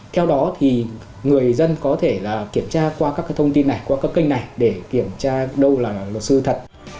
theo đó thì người dân có thể kiểm tra qua các thông tin này qua các kênh này để kiểm tra đâu là luật sư thật